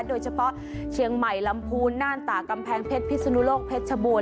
โดยเฉพาะเชียงใหม่ลำพูนน่านตากำแพงเพชรพิสุนุโลกเพชรชบูรณ